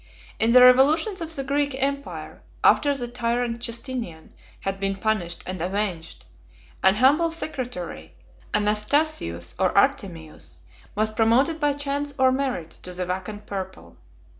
In the revolutions of the Greek empire, after the tyrant Justinian had been punished and avenged, an humble secretary, Anastasius or Artemius, was promoted by chance or merit to the vacant purple.